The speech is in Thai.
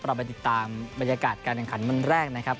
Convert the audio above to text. เราไปติดตามบรรยากาศการแข่งขันวันแรกนะครับ